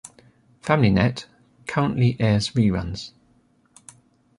FamilyNet currently airs reruns.